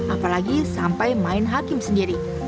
apalagi sampai main hakim sendiri